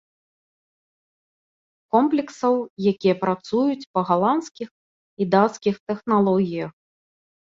Комплексаў, якія працуюць па галандскіх і дацкіх тэхналогіях.